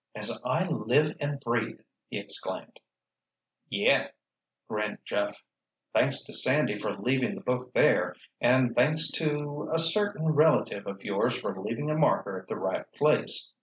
"As I live and breathe!" he exclaimed. "Yeah," grinned Jeff. "Thanks to Sandy for leaving the book there, and thanks to—a certain relative of yours for leaving a marker at the right place.